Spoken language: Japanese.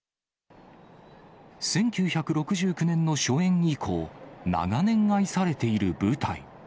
１９６９年の初演以降、長年愛されている舞台。